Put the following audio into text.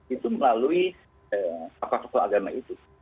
itu melalui tokoh tokoh agama itu